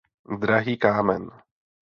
Drahý kámen.